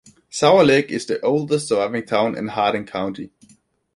Sour Lake is the oldest surviving town in Hardin County.